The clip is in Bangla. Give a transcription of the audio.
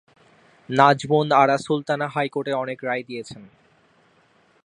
নাজমুন আরা সুলতানা হাইকোর্টে অনেক রায় দিয়েছেন।